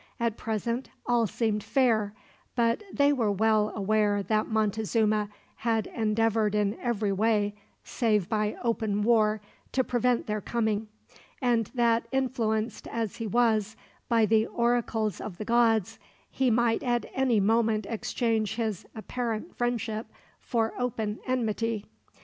At present all seemed fair, but they were well aware that Montezuma had endeavored in every way, save by open war, to prevent their coming; and that, influenced as he was by the oracles of the gods, he might at any moment exchange his apparent friendship for open enmity.